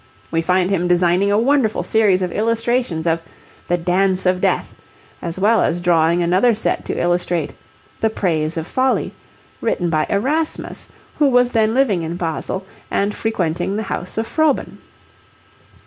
We find him designing a wonderful series of illustrations of The Dance of Death, as well as drawing another set to illustrate The Praise of Folly, written by Erasmus, who was then living in Basle and frequenting the house of Froben.